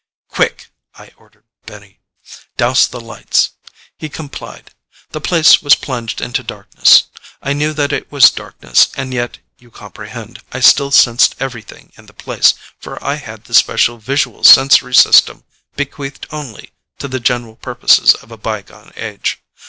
"Quick," I ordered Benny. "Douse the lights." He complied. The place was plunged into darkness. I knew that it was darkness and yet, you comprehend, I still sensed everything in the place, for I had the special visual sensory system bequeathed only to the General Purposes of a bygone age.